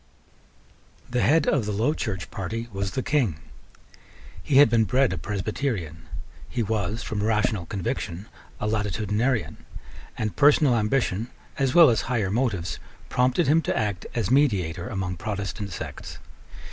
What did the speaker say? The head of the Low Church party was the King. He had been bred a Presbyterian: he was, from rational conviction, a Latitudinarian; and personal ambition, as well as higher motives, prompted him to act as mediator among Protestant sects.